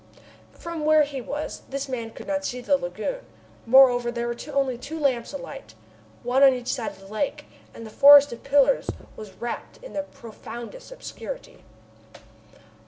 From where he was this man could not see the lagoon, moreover there were only two lamps alight, one on each side of the lake, and the forest of pillars was wrapt in the profoundest obscurity.